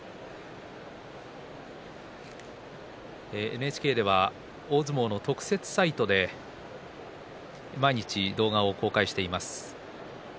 ＮＨＫでは大相撲の特設サイトで毎日、動画を公開しています。